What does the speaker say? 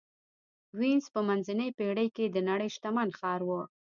وینز په منځنۍ پېړۍ کې د نړۍ شتمن ښار و